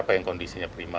siapa yang kondisinya prima